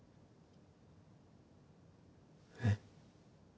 えっ？